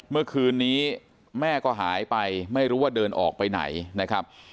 เมื่อคืนนี้แม่ก็หายไปไม่รู้ว่าเดินออกไปไหนนะครับ